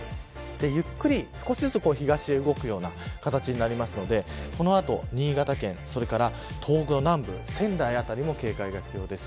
ゆっくり、少しずつ東へ動くような形になるのでこの後、新潟県それから東北南部、仙台辺りも警戒が必要です。